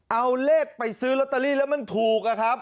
เอาเลขไปซื้อลอตเตอรี่แล้วมันถูกอะครับ